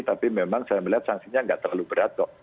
tapi memang saya melihat sanksinya tidak terlalu berat